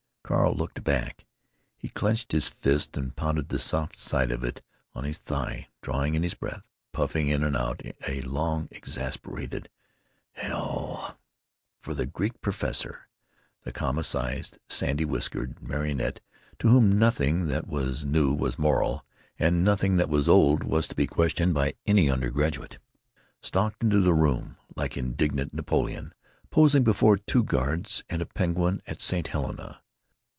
Carl looked back. He clenched his fist and pounded the soft side of it on his thigh, drawing in his breath, puffing it out with a long exasperated "Hellll!" For the Greek professor, the comma sized, sandy whiskered martinet, to whom nothing that was new was moral and nothing that was old was to be questioned by any undergraduate, stalked into the room like indignant Napoleon posing before two guards and a penguin at St. Helena.